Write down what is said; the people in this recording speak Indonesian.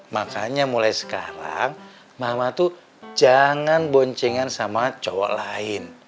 makanya mulai sekarang mahma tuh jangan boncengan sama cowok lain